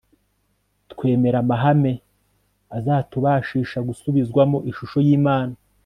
twemera amahame azatubashisha gusubizwamo ishusho y'imana